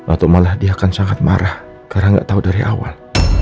atau malah dia akan sangat marah karena nggak tahu dari awal